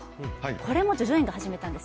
これも叙々苑が始めたんです。